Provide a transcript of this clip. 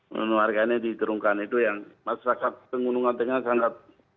harganya diterungkan itu yang masyarakat pengundungan tengah sangat